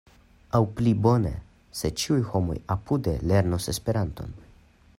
Aŭ pli bone: se ĉiuj homoj apude lernus Esperanton!